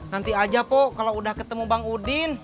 nanti aja pok kalau udah ketemu bang udin